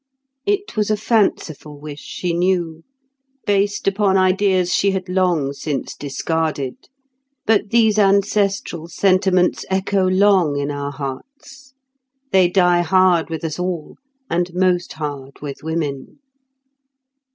It was a fanciful wish, she knew, based upon ideas she had long since discarded; but these ancestral sentiments echo long in our hearts; they die hard with us all, and most hard with women.